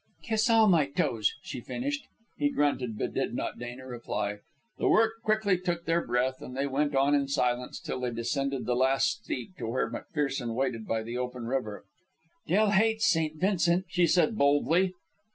"Kiss all my toes," she finished. He grunted, but did not deign a reply. The work quickly took their breath, and they went on in silence till they descended the last steep to where McPherson waited by the open river. "Del hates St. Vincent," she said boldly.